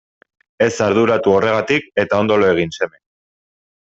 Ez arduratu horregatik eta ondo lo egin seme.